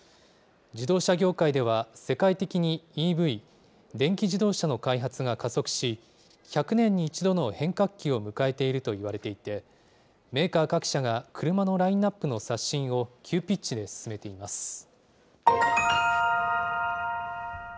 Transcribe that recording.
自動車業界では、世界的にＥＶ・電気自動車の開発が加速し、１００年に１度の変革期を迎えているといわれていて、メーカー各社が車のラインナップの刷新を急ピッチで進めています。